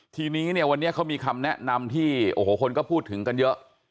ทีนี้เนี่ยวันนี้เขามีคำแนะนำที่โอ้โหคนก็พูดถึงกันเยอะ